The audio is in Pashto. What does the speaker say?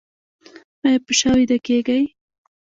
ایا په شا ویده کیږئ؟